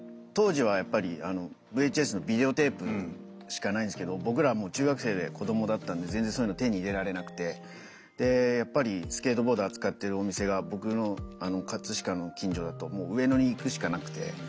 当時はやっぱりＶＨＳのビデオテープしかないんですけど僕らは中学生で子どもだったんで全然そういうの手に入れられなくてでやっぱりスケートボード扱ってるお店が僕の葛飾の近所だともう上野に行くしかなくて。